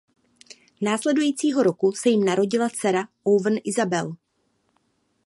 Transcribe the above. Následujícího roku se jim narodila dcera Owen Isabelle.